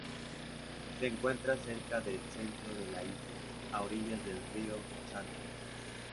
Se encuentra cerca del centro de la isla, a orillas del río Chartres.